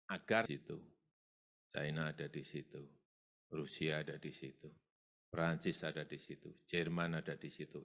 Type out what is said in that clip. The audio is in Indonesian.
agar di situ china ada di situ rusia ada di situ perancis ada di situ jerman ada di situ